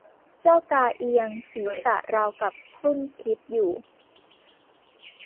เจ้ากาเอียงศีรษะราวกับครุ่นคิดอยู่